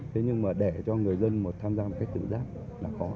thế nhưng mà để cho người dân tham gia một cách tự giác là khó